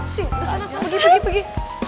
sini kesana pergi pergi